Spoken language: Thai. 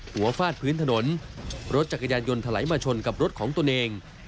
ฟาดพื้นถนนรถจักรยานยนต์ถลายมาชนกับรถของตนเอง